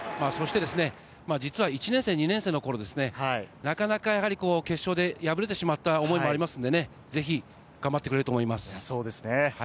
そして実は１年生、２年生の頃、なかなか、決勝で敗れてしまった思いもありますのでぜひ頑張ってくれると思います。